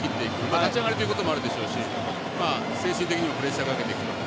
立ち上がりということもあるでしょうし精神的にもプレッシャーをかけていくと。